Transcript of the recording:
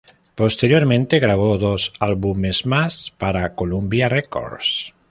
Posteriormente grabó dos álbumes más para Columbia Records.